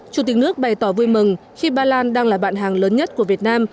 chủ tịch nước bày tỏ vui mừng khi ba lan đang là bạn hàng lớn nhất của việt nam